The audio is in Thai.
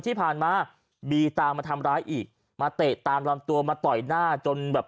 ที่ผ่านมาบีตามมาทำร้ายอีกมาเตะตามลำตัวมาต่อยหน้าจนแบบ